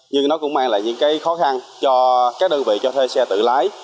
nhưng nó cũng mang lại những khó khăn cho các đơn vị thuê xe tự lái